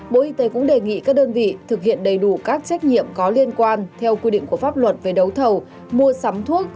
bộ y tế cũng đề nghị các đơn vị thực hiện đầy đủ các trách nhiệm có liên quan theo quy định của pháp luật về đấu thầu mua sắm thuốc